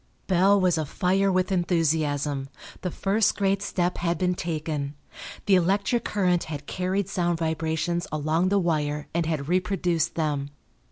Bell was afire with enthusiasm; the first great step had been taken. The electric current had carried sound vibrations along the wire and had reproduced them.